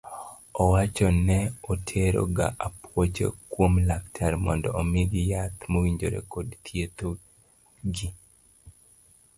Owacho ne otero ga apuoche kuom laktar mondo omigi yath mowinjore kod thietho gi.